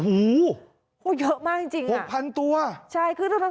โอ้โหเยอะมากจริงจริงหกพันตัวใช่ขึ้นรถ